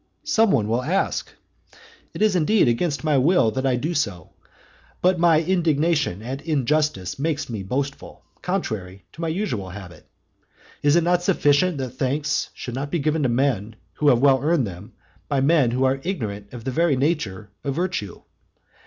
some one will ask. It is indeed against my will that I do so; but my indignation at injustice makes me boastful, contrary to my usual habit. Is it not sufficient that thanks should not be given to men who have well earned them, by men who are ignorant of the very nature of virtue?